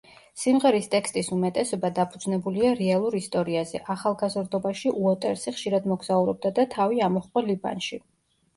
სიმღერის ტექსტის უმეტესობა დაფუძნებულია რეალურ ისტორიაზე: ახალგაზრდობაში უოტერსი ხშირად მოგზაურობდა და თავი ამოჰყო ლიბანში.